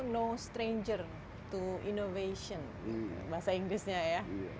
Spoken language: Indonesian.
no stranger to innovation bahasa inggrisnya ya